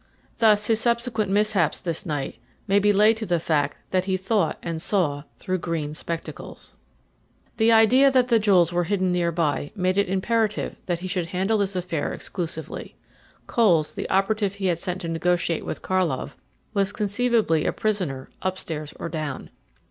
Thus his subsequent mishaps this night may be laid to the fact that he thought and saw through green spectacles. The idea that the jewels were hidden near by made it imperative that he should handle this affair exclusively. Coles, the operative he had sent to negotiate with Karlov, was conceivably a prisoner upstairs or down.